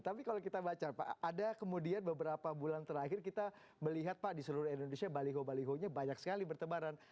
tapi kalau kita baca pak ada kemudian beberapa bulan terakhir kita melihat pak di seluruh indonesia baliho balihonya banyak sekali bertebaran